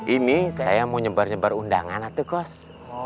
ini saya mau nyebar nyebar undanganpatuh cross